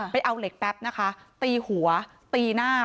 เอาเหล็กแป๊บนะคะตีหัวตีหน้า